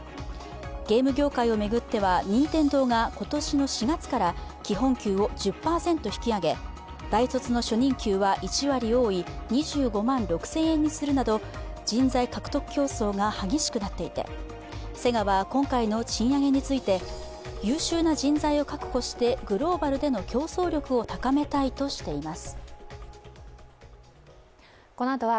ゲーム業界を巡っては任天堂が今年の４月から基本給を１０％引き上げ大卒の初任給は１割多い２５万６０００円にするなど、人材獲得競争が激しくなっていて、セガは今回の賃上げについて優秀な人材を確保してグローバルでの競争力を高めたいとしています。